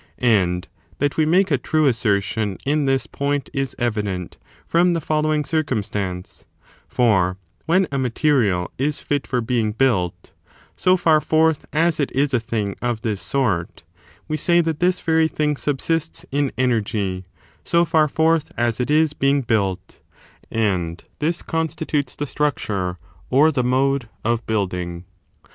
And that we make a true assertion in this point is evident from the following circumstance ; for when a material is fit for being built, so far forth as it is a thing of this sort, we say that this very thing subsists in energy, so far forth as it is being built; and this constitutes the structure, or the mode of building.